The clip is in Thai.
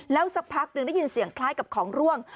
แล้วสักพักหนึ่งได้ยินเสียงคล้ายกับของร่วง